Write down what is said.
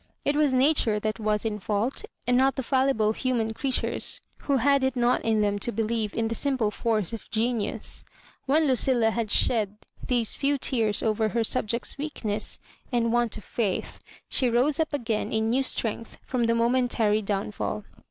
It was nature that was in fault, and not the fallible human creatures who had it not in them to believe in the simple force of genius. When Lucilla had shed these few tears over her subjects' weakness and want of faith, she rose up again in new strength fh>m the momentary down fall.